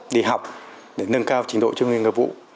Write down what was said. đi học để nâng cao trình độ chương trình nghiệp vụ